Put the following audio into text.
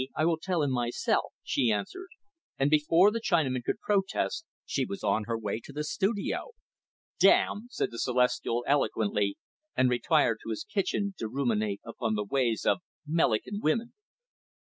I will tell him myself," she answered; and, before the Chinaman could protest, she was on her way to the studio. "Damn!" said the Celestial eloquently; and retired to his kitchen to ruminate upon the ways of "Mellican women."